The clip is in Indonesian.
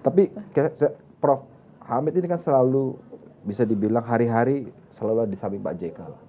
tapi prof hamid ini kan selalu bisa dibilang hari hari selalu di samping pak jk lah